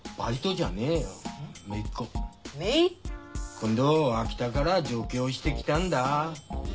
今度秋田から上京してきたんだあ。